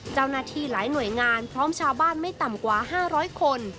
เจ้าหน้าที่หลายหน่วยงานพร้อมชาวบ้านไม่ต่ำกว่า๕๐๐คน